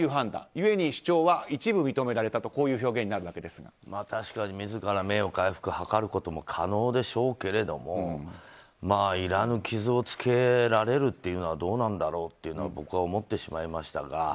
ゆえに主張は一部認められたと確かに自ら名誉回復を図ることも可能でしょうけれどもいらぬ傷をつけられるっていうのはどうなんだろうって僕は思ってしまいましたが。